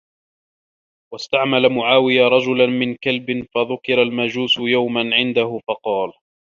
وَاسْتَعْمَلَ مُعَاوِيَةُ رَجُلًا مِنْ كَلْبٍ فَذُكِرَ الْمَجُوسُ يَوْمًا عِنْدَهُ فَقَالَ